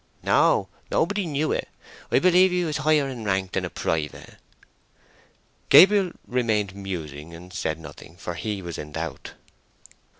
"No; nobody knew it. I believe he was higher in rank than a private." Gabriel remained musing and said nothing, for he was in doubt.